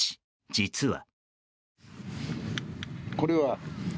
実は。